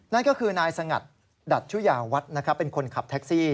นั่นก็คือนายสงัดดัชยาวัฒน์เป็นคนขับแท็กซี่